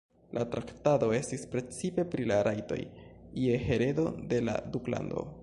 La traktado estis precipe pri la rajtoj je heredo de la duklando.